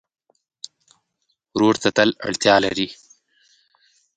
ورور ته تل اړتیا لرې.